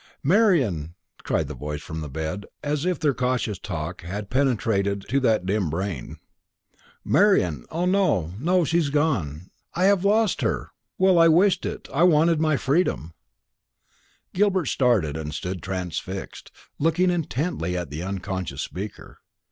"Marian!" cried the voice from the bed, as if their cautious talk had penetrated to that dim brain. "Marian! O no, no; she is gone; I have lost her! Well, I wished it; I wanted my freedom." Gilbert started, and stood transfixed, looking intently at the unconscious speaker.